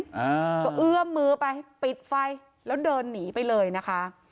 อ่าก็เอื้อมมือไปปิดไฟแล้วเดินหนีไปเลยนะคะ